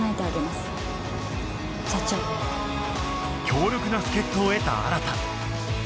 強力な助っ人を得た新